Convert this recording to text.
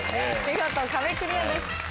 見事壁クリアです。